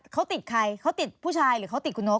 เขาติดใครเขาติดผู้ชายหรือเขาติดคุณนก